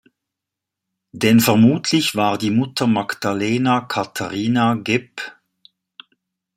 Denn vermutlich war die Mutter Magdalena Catharina geb.